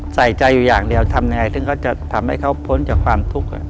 ใส่ใจอยู่อย่างเดียวทำยังไงซึ่งเขาจะทำให้เขาพ้นจากความทุกข์